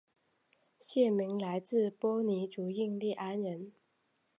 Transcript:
县名来自波尼族印第安人。